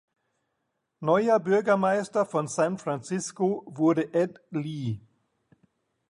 Neuer Bürgermeister von San Francisco wurde Ed Lee.